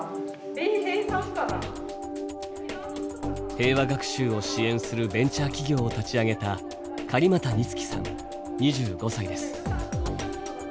平和学習を支援するベンチャー企業を立ち上げた狩俣日姫さん２５歳です。